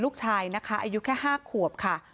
ลูกชายนะคะอายุแค่๕ขวบค่ะ